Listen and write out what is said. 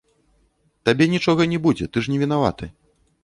Табе нічога не будзе, ты ж не вінаваты.